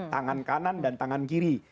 tangan kanan dan tangan kiri